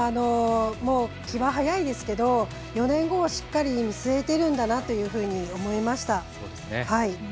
気は早いですけど４年後をしっかり見据えているんだなと思いました。